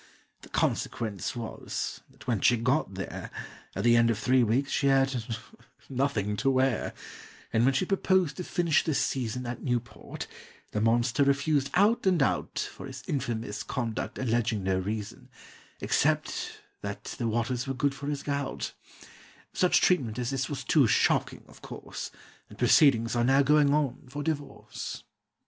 The consequence was, that when she got there, At the end of three weeks she had nothing to wear, And when she proposed to finish the season At Newport, the monster refused out and out, For his infamous conduct alleging no reason, Except that the waters were good for his gout; Such treatment as this was too shocking, of course, And proceedings are now going on for divorce.